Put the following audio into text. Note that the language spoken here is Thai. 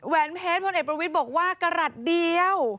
แหนเพชรพลเอกประวิทย์บอกว่ากระหลัดเดียว